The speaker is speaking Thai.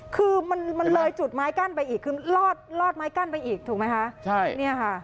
คือมันเลยจุดไม้กั้นไปอีกรอดไม้กั้นไปอีกถูกไหมคะ